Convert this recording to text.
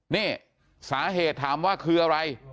นี่สาเหตุถามว่าคืออะไร